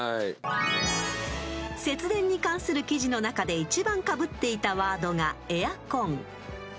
［節電に関する記事の中で１番かぶっていたワードが「エアコン」］